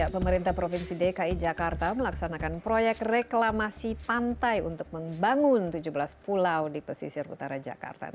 pemerintah provinsi dki jakarta melaksanakan proyek reklamasi pantai untuk membangun tujuh belas pulau di pesisir utara jakarta